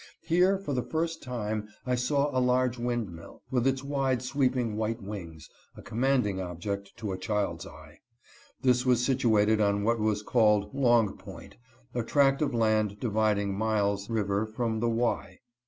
Here, for the first time, I saw a large windmill, with its wide sweeping white wings, a commanding object to a child's eye. This was situated on what was called Long Point — a tract of land dividing Miles river from the Wye.